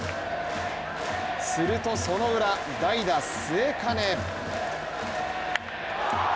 するとそのウラ、代打・末包。